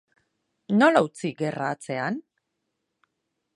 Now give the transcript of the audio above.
Nola utzi gerra atzean?